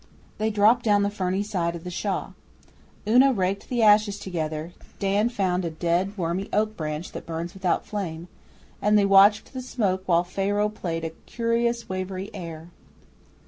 They dropped down the ferny side of the shaw. Una raked the ashes together, Dan found a dead wormy oak branch that burns without flame, and they watched the smoke while Pharaoh played a curious wavery air.